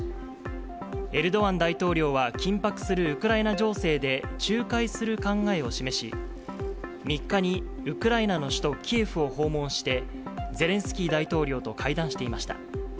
エルドアン大統領は緊迫するウクライナ情勢で仲介する考えを示し、３日にウクライナの首都キエフを訪問して、ゼレンスキー大統領と会談していました。